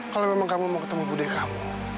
kalau memang kamu mau ketemu budek kamu